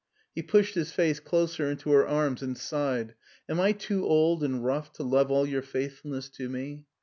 He pushed his face closer into her arms and sighed. " Am I too old and rough to love all your faithfulness to me?